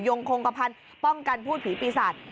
งคงกระพันธ์ป้องกันพูดผีปีศาจ